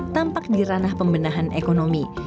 tampak di ranah pembenahan ekonomi